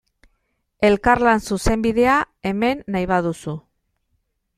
Elkarlan zuzenbidea, hemen, nahi baduzu.